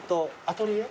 アトリエ？